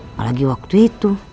apalagi waktu itu